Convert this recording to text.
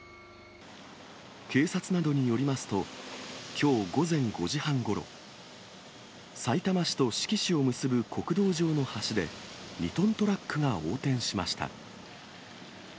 警察などによりますと、きょう午前５時半ごろ、さいたま市と志木市を結ぶ国道上の橋で、２トントラックが横転しました。